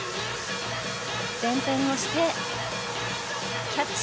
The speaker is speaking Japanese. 前転をして、キャッチ。